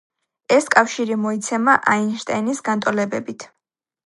ეს კავშირი მოიცემა აინშტაინის განტოლებებით.